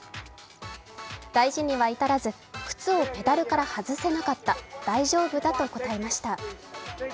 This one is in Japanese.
大事には至らず、靴をペダルから外せなかった、大丈夫だと答えました。